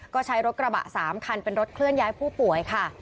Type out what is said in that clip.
ก็ใช้รถกระบะ๓คันเป็นรถเคลื่อนย้ายผู้ป่วยค่ะ